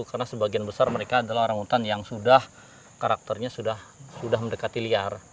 karena sebagian besar mereka adalah orang utan yang sudah karakternya sudah mendekati liar